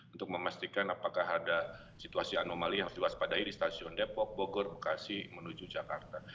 untuk memastikan apakah ada situasi anomali yang harus diwaspadai di stasiun depok bogor bekasi menuju jakarta